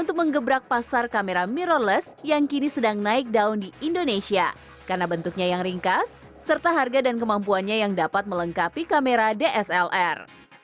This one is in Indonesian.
karena bentuknya yang ringkas serta harga dan kemampuannya yang dapat melengkapi kamera dslr